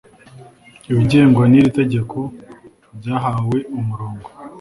Ibigengwa n’iri tegeko byahawe umurongo